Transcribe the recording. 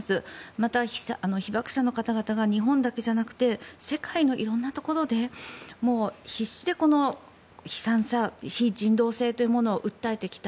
また、被爆者の方々が日本だけじゃなくて世界の色んなところでもう必死でこの悲惨さ非人道性というのを訴えてきた。